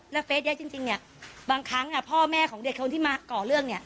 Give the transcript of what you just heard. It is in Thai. แล้วเฟสนี้จริงบางครั้งพ่อแม่ของเด็กคนที่มาก่อเรื่อง